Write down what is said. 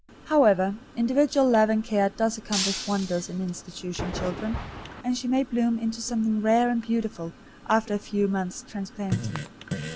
However, individual love and care does accomplish wonders in institution children, and she may bloom into something rare and beautiful after a few months' transplanting.